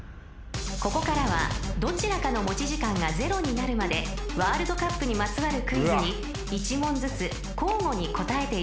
［ここからはどちらかの持ち時間が０になるまでワールドカップにまつわるクイズに１問ずつ交互に答えていただきます］